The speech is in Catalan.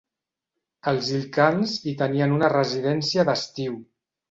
Els Il-khans hi tenien una residència d'estiu.